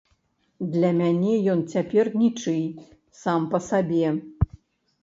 Для мяне ён цяпер нічый, сам па сабе.